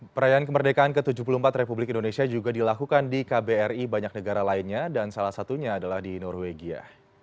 perayaan kemerdekaan ke tujuh puluh empat republik indonesia juga dilakukan di kbri banyak negara lainnya dan salah satunya adalah di norwegia